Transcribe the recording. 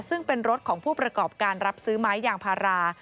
ซึ่งเป็นรถของผู้ประกอบการรับซื้อไม้ยางพารา